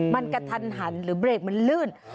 มันกระทันหันหรือเบรกมันลื่น